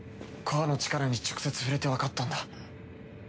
コアの力に直接触れてわかったんだ。